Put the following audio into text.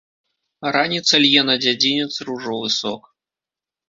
Раніца лье на дзядзінец ружовы сок.